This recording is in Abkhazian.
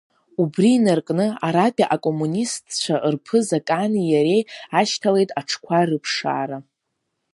Убри инаркны аратәи акоммунистцәа рԥыза Кани иареи ашьҭалеит аҽқәа рыԥшаара.